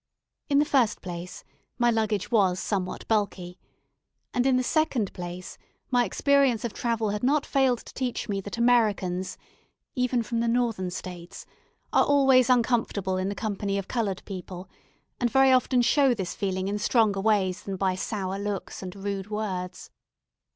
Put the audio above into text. In the first place, my luggage was somewhat bulky; and, in the second place, my experience of travel had not failed to teach me that Americans (even from the Northern States) are always uncomfortable in the company of coloured people, and very often show this feeling in stronger ways than by sour looks and rude words.